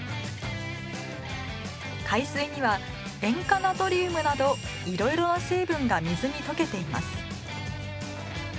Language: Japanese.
海水には塩化ナトリウムなどいろいろな成分が水にとけています。